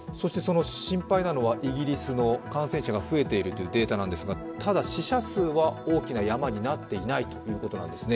心配なのはイギリスの感染者が増えているというデータですが、ただ、死者数は大きな山になっていないということなんですね。